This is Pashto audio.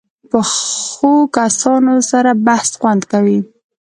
پخو کسانو سره بحث خوند کوي